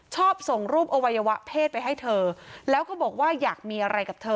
ส่งรูปอวัยวะเพศไปให้เธอแล้วก็บอกว่าอยากมีอะไรกับเธอ